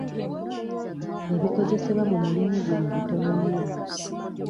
Ebikozesebwa mu mulimu guno bitono nnyo.